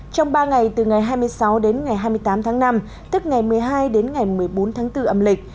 trong ba ngày từ ngày hai mươi sáu đến ngày hai mươi tám tháng năm tức ngày một mươi hai đến ngày một mươi bốn tháng bốn âm lịch